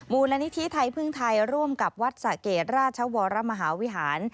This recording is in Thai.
มูลนิธิไทยพึ่งไทยร่วมกับวัดสะเกดราชวรมหาวิหาร